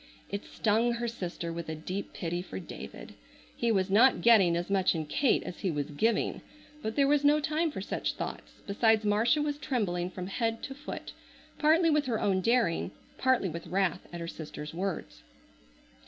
It stung her sister with a deep pity for David. He was not getting as much in Kate as he was giving. But there was no time for such thoughts, besides Marcia was trembling from head to foot, partly with her own daring, partly with wrath at her sister's words.